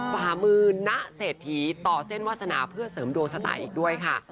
ฝ่ามือณเศรษฐีต่อเส้นวาสนาเพื่อเสริมดวงชะตาอีกด้วยค่ะ